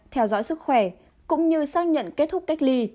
theo dõi sức khỏe cũng như xác nhận kết thúc cách ly